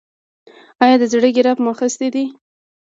ایا د زړه ګراف مو اخیستی دی؟